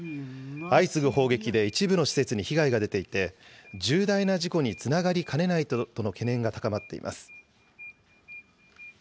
相次ぐ砲撃で一部の施設に被害が出ていて、重大な事故につながりかねないとの懸念が高まっています。